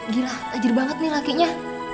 gila ajar banget nih lakinya